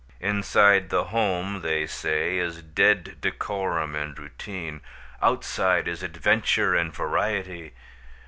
Inside the home (they say) is dead decorum and routine; outside is adventure and variety.